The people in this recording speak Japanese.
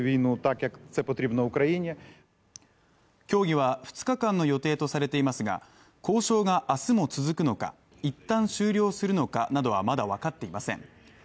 協議は２日間の予定とされていますが、交渉が明日も続くのか一旦終了するのかなどはまだ分かっていません。